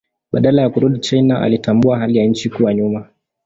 Baada ya kurudi China alitambua hali ya nchi kuwa nyuma.